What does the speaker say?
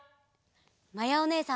まやおねえさんも！